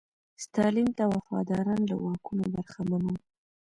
ستالین ته وفاداران له واکونو برخمن وو.